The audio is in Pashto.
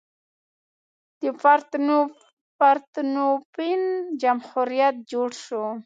د پارتنوپین جمهوریت جوړ شو.